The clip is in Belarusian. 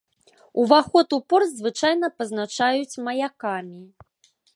Уваход у порт звычайна пазначаюць маякамі.